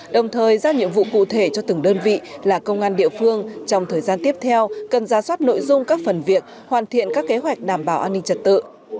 đồng thời giao nhiệm vụ cụ thể cho từng đơn vị là công an địa phương trong thời gian tiếp theo cần ra soát nội dung các phần việc hoàn thiện các kế hoạch đảm bảo an ninh trật tự